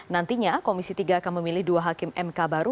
nantinya komisi tiga akan memilih dua hakim mk baru